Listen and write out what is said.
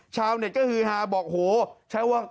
ชาวเน็ตก็คือฮาบอกโหใช้ว่า